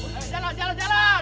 jalan jalan jalan